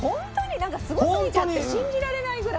なんかすごすぎちゃって信じられないぐらい。